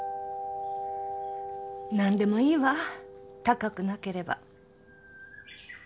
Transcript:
何でもいいわ高くなければ。